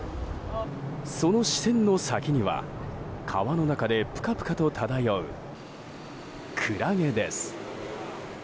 その視線の先には、川の中でぷかぷかと漂うクラゲです。